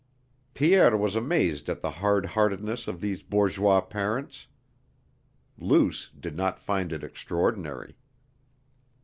Pierre was amazed at the hard heartedness of these bourgeois parents. Luce did not find it extraordinary.